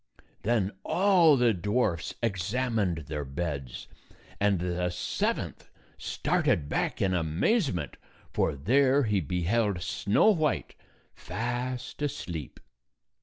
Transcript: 235 Then all the dwarfs examined their beds, and the seventh started back in amazement, for there he beheld Snow White, fast asleep.